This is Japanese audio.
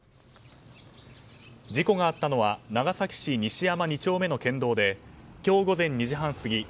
事故があったのは長崎市西山２丁目の県道で今日午前２時半過ぎ